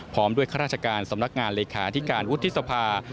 พร้อมด้วยข้าราชการสำนักงานเลขาธิการวุฒิสภา